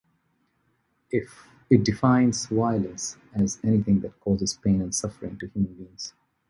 It defines violence as anything that causes pain and suffering to human beings.